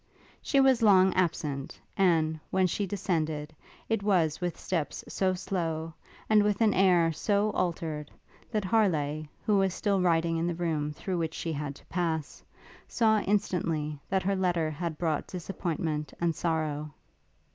She was long absent, and, when she descended, it was with steps so slow, and with an air so altered, that Harleigh, who was still writing in the room through which she had to pass, saw instantly that her letter had brought disappointment and sorrow.